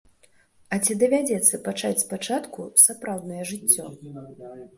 І ці давядзецца пачаць спачатку сапраўднае жыццё?